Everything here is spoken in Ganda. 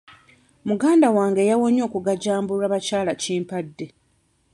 Muganda wange yawonye okugajambulwa bakyalakimpadde.